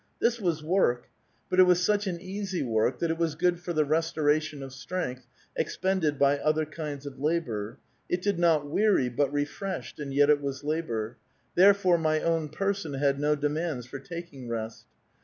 This was work ; but it was such an easy work that it was good for the restoration of strength, expended by other kinds of labor; it did not weary, but refreshed, and yet it was labor. Therefore my own person had no demands for taking rest.